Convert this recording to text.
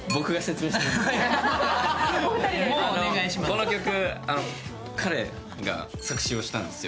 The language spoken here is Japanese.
この曲、彼が作詞ンをしたんですよ。